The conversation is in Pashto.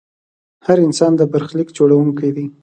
هر انسان د برخلیک جوړونکی دی.